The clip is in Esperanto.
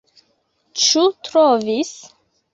Ĉu trovis?